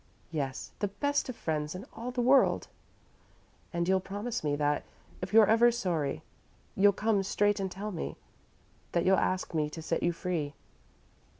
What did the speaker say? "Yes the best of friends in all the world." "And you'll promise me that, if you're ever sorry, you'll come straight and tell me that you'll ask me to set you free?"